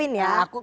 yang diakuin ya